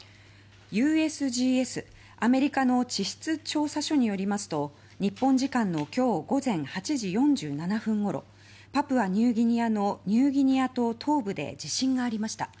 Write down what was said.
ＵＳＧＳ・アメリカの地質調査所によりますと日本時間の今日午前８時４７分ごろパプアニューギニアのニューギニア島東部で地震がありました。